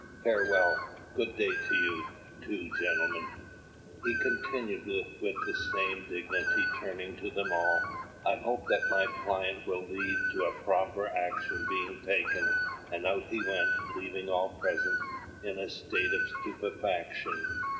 Farewell! Good day to you, too, gentlemen," he continued with the same dignity, turning to them all. "I hope that my plaint will lead to proper action being taken;" and out he went, leaving all present in a state of stupefaction.